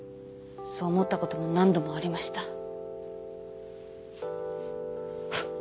そう思ったことも何度もありました。